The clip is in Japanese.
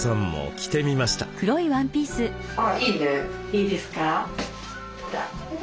いいですか。